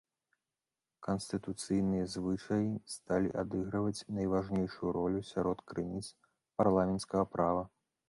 Канстытуцыйныя звычаі сталі адыгрываць найважнейшую ролю сярод крыніц парламенцкага права.